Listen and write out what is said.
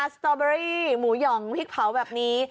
สตอเบอรี่หมูหย่องพริกเผาแบบนี้